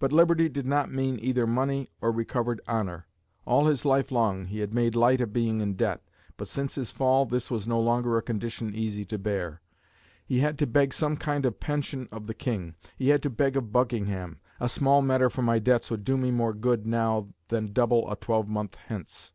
But liberty did not mean either money or recovered honour. All his life long he had made light of being in debt; but since his fall this was no longer a condition easy to bear. He had to beg some kind of pension of the King. He had to beg of Buckingham; "a small matter for my debts would do me more good now than double a twelvemonth hence.